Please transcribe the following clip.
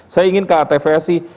saya ingin ke atvsi